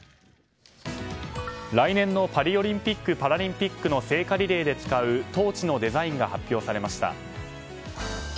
来年のパリオリンピック・パラリンピックの聖火リレーで使うトーチのデザインが発表されました。